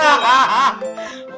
ah gak tau